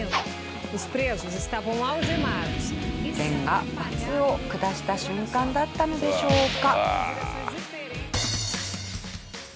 天が罰を下した瞬間だったのでしょうか？